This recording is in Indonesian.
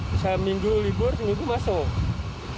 misalnya minggu libur minggu masuk